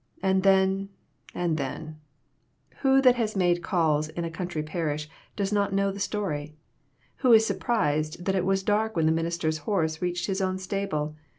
And then, and then who, that has made calls in a country parish, does not know the story? Who is surprised that it was dark when the minister's horse reached his own stable ?